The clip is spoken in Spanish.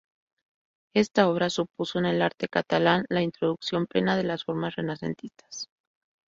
Esta obra supuso en el arte catalán la introducción plena de las formas renacentistas.